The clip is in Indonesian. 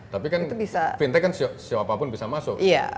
tapi kan fintech kan siapapun bisa masuk